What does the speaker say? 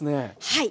はい。